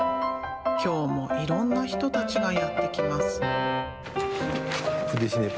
きょうもいろんな人たちがやって来ます。